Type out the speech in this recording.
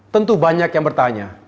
tentu banyak yang bertanya